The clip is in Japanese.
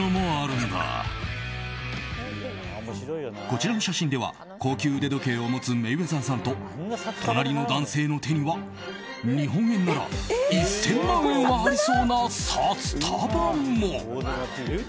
こちらの写真では高級腕時計を持つメイウェザーさんと隣の男性の手には、日本円なら１０００万円はありそうな札束も。